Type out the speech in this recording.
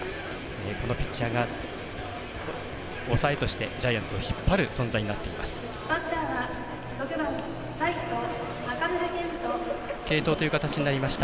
このピッチャーが抑えとしてジャイアンツを引っ張る存在になっています。